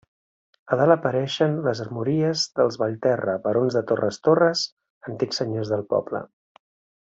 A dalt apareixen les armories dels Vallterra, barons de Torres Torres, antics senyors del poble.